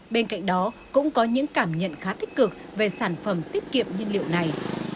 bên cạnh đó cũng có những cảm nhận khá tích cực về sản phẩm tiết kiệm nhiên liệu này